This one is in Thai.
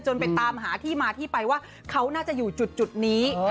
ไปตามหาที่มาที่ไปว่าเขาน่าจะอยู่จุดนี้